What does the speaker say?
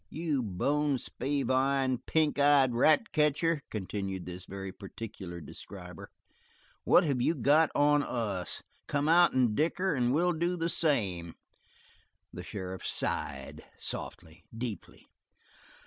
"You bone spavined, pink eyed rat catcher," continued this very particular describer, "what have you got on us? Come out and dicker and we'll do the same!" The sheriff sighed, softly, deeply.